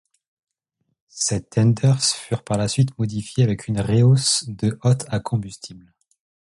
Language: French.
Ces tenders furent par la suite modifiés avec une rehausse de hotte à combustible.